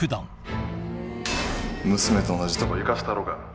娘と同じとこに行かせたろか。